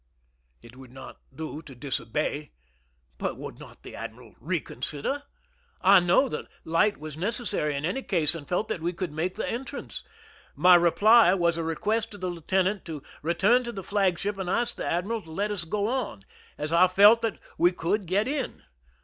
It would not do to disobey ; but would not the admiral reconsider ? I knew that light was necessary in any case, and felt that we could make the entrance. My reply was a request to the lieu tenant to return to the flagship and ask the admiral to let us go on, as I felt sure that we could get in.